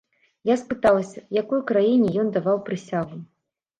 Я спыталася, якой краіне ён даваў прысягу?